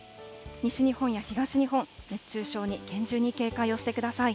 西日本や東日本、熱中症に厳重に警戒をしてください。